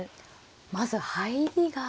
まず入りが。